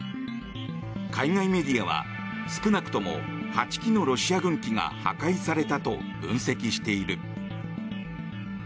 海外メディアは少なくとも８機のロシア軍機が破壊されたと分析している。